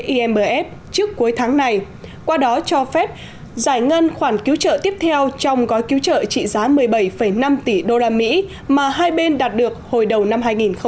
imf trước cuối tháng này qua đó cho phép giải ngân khoản cứu trợ tiếp theo trong gói cứu trợ trị giá một mươi bảy năm tỷ đô la mỹ mà hai bên đạt được hồi đầu năm hai nghìn một mươi năm